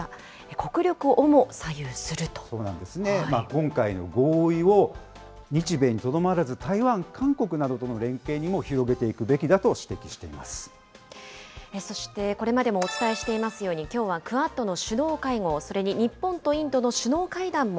今回の合意を日米にとどまらず、台湾、韓国などとの連携にも広げていくべきそして、これまでもお伝えしていますように、きょうはクアッドの首脳会合、それに日本とイン